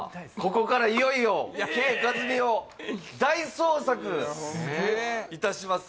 ここからいよいよＫ．カズミを大捜索いたします